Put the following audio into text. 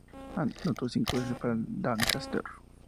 Anotó cinco veces para el Doncaster.